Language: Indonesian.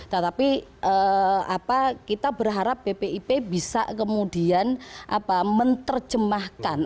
tetapi kita berharap bpip bisa kemudian menerjemahkan